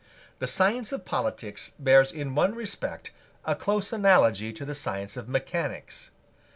The science of Politics bears in one respect a close analogy to the science of Mechanics.